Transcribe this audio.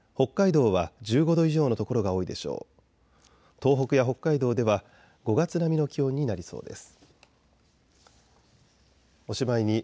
東北や北海道では５月並みの気温になりそうです。